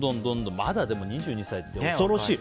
でも、まだ２２歳って恐ろしい。